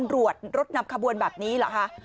รวดรถนำคบวนแบบนี้หรอคะ